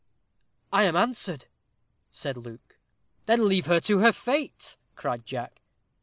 "I am answered," said Luke. "Then leave her to her fate," cried Jack.